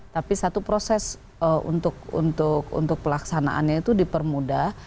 tapi satu proses untuk pelaksanaannya itu dipermudah